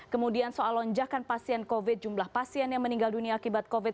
kemudian soal lonjakan pasien covid jumlah pasien yang meninggal dunia akibat covid sembilan belas